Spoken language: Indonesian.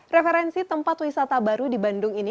referensi tempat wisata baru di bandung ini